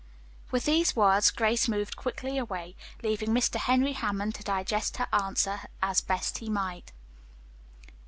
With these words Grace moved quickly away, leaving Mr. Henry Hammond to digest her answer as best he might.